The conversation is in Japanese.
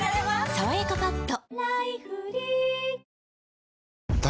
「さわやかパッド」